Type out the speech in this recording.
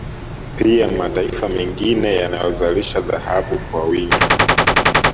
Pia mataifa mengine yanayozalisha dhahabu kwa wingi